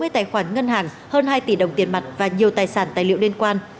hai mươi tài khoản ngân hàng hơn hai tỷ đồng tiền mặt và nhiều tài sản tài liệu liên quan